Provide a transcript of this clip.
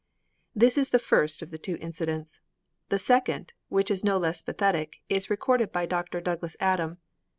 This is the first of the two incidents. The second which is no less pathetic is recorded by Dr. Douglas Adam.